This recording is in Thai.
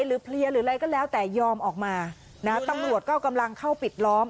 เพลียหรืออะไรก็แล้วแต่ยอมออกมานะตำรวจก็กำลังเข้าปิดล้อม